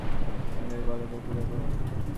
আমি আতঙ্কিত গলায় বললাম, কী ব্যাপার?